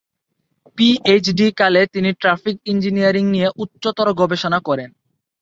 PhD কালে তিনি traffic engineering নিয়ে উচ্চতর গবেষণা করেন।